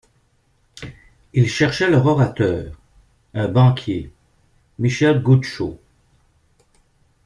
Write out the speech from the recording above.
Ils cherchaient leur orateur, un banquier, Michel Goudchaux.